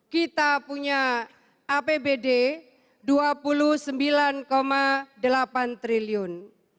kita punya apbd rp dua puluh sembilan delapan triliun